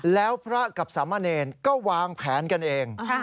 แล้วพระกับสามเณรก็วางแผนกันเอง